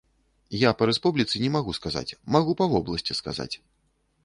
Я па рэспубліцы не магу сказаць, магу па вобласці сказаць.